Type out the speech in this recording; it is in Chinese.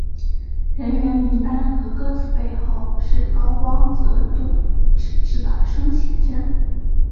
人员名单和歌词背后是高光泽度纸质的生写真。